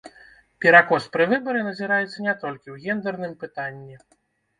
Перакос пры выбары назіраецца не толькі ў гендэрным пытанні.